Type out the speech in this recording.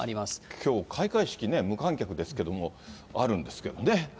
きょう、開会式ね、無観客ですけども、あるんですけどね。